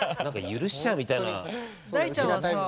許しちゃうみたいな。